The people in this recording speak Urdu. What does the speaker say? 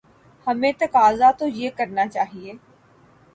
ہمیں تقاضا تو یہ کرنا چاہیے۔